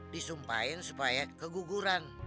disumpahin supaya keguguran